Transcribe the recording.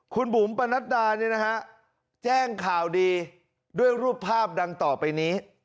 คุณบุ๋มปนัดดาเนี่ยนะฮะแจ้งข่าวดีด้วยรูปภาพดังต่อไปนี้